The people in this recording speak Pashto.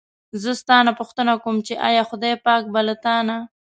زه ستا نه پوښتنه کووم چې ایا خدای پاک به له تا نه.